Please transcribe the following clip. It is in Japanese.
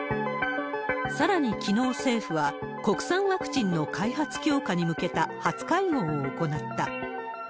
さらに、きのう政府は、国産ワクチンの開発強化に向けた初会合を行った。